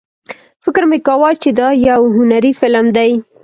فکر مې کاوه چې دا یو هنري فلم دی.